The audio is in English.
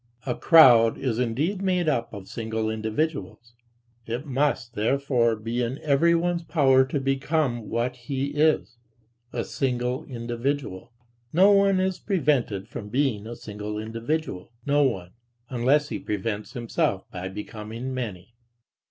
A crowd is indeed made up of single individuals; it must therefore be in everyone's power to become what he is, a single individual; no one is prevented from being a single individual, no one, unless he prevents himself by becoming many.